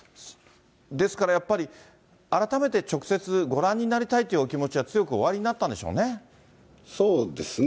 ですからやっぱり、改めて直接ご覧になりたいというお気持ちは強くおありになったんそうですね。